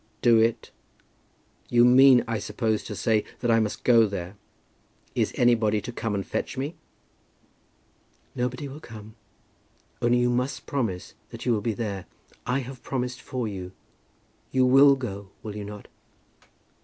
"Do it! You mean, I suppose, to say that I must go there. Is anybody to come and fetch me?" "Nobody will come. Only you must promise that you will be there. I have promised for you. You will go; will you not?"